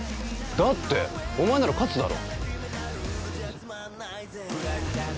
だってお前なら勝つだろ？